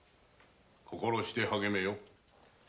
心して励めよ。